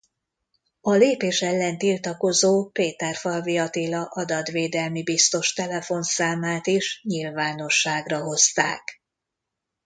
A lépés ellen tiltakozó Péterfalvi Attila adatvédelmi biztos telefonszámát is nyilvánosságra hozták.